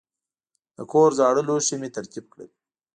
د کور زاړه لوښي مې ترتیب کړل.